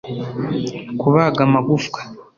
kubaga amagufwa